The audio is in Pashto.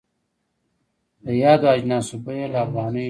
د یادو اجناسو بیه له افغانیو ټیټه وي.